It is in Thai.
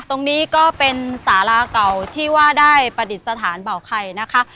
ตรงนี้ก็เป็นสาราเก่าที่ว่าได้ประดิษฐานเบาไข่นะคะ